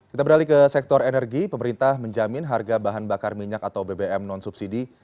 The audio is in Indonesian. kita beralih ke sektor energi pemerintah menjamin harga bahan bakar minyak atau bbm non subsidi